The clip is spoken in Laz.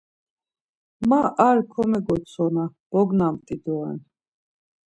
Ma ar komegotsona bognamt̆i doren.